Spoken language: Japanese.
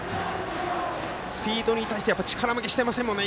スピードに対して力負けしてませんもんね。